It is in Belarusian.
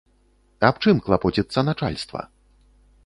Аб чым клапоціцца начальства?